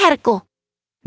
kau akan menangkapku fluff